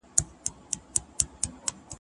پایښت «بقا» ومومي